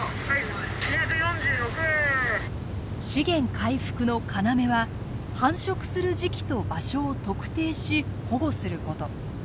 資源回復の要は繁殖する時期と場所を特定し保護すること。